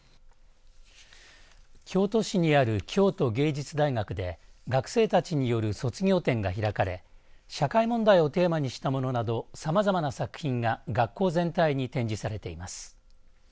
京都市にある京都芸術大学で学生たちによる卒業展が開かれ社会問題をテーマにしたものなどさまざまな作品が学校全体に提示されています。